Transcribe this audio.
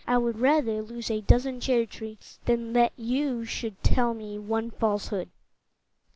I would rather lose a dozen cherry trees than that you should tell one false hood."